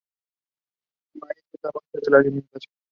El maíz era la base de la alimentación.